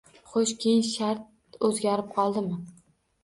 — Xo‘sh, keyin shart o‘zgarib qoldimi?